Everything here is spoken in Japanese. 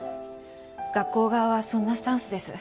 学校側はそんなスタンスです。